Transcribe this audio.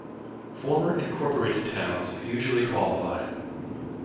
Former incorporated towns usually qualify.